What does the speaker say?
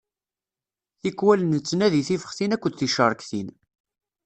Tikwal nettandi tifextin akked ticeṛktin.